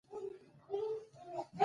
ګلۍ په ګرمۍ کې کيږي